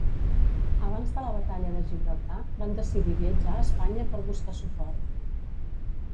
Abans de la Batalla de Gibraltar, van decidir viatjar a Espanya per buscar suport.